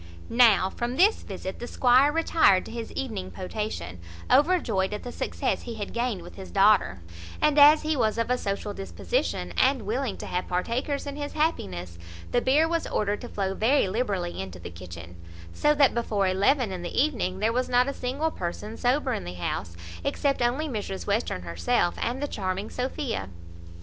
Now from this visit the squire retired to his evening potation, overjoyed at the success he had gained with his daughter; and, as he was of a social disposition, and willing to have partakers in his happiness, the beer was ordered to flow very liberally into the kitchen; so that before eleven in the evening there was not a single person sober in the house except only Mrs Western herself and the charming Sophia.